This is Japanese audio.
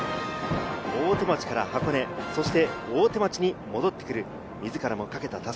大手町から箱根、そして大手町に戻ってくる、自らもかけた襷。